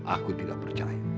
aku tidak percaya